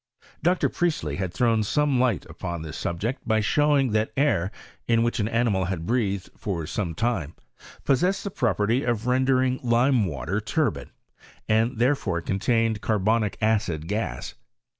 Dr. Priestley had thrown some light upon this subject by showing; that air, in which an animal had breathed for soroA time, possessed the property of rendering lime watn turbid, and therefore contained 'carbonic acid gaa.